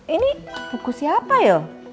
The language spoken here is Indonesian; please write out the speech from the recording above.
ini buku siapa yo